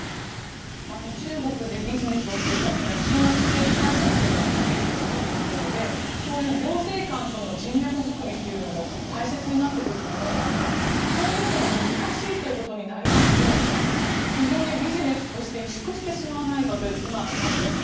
中国でビジネスをするためには中国政府対策というのは不可欠だと思うのでそういう行政官との人脈づくりも大切になってくると思うんですがそういうのが難しいということになりますと非常にビジネスとして委縮してしまわないか。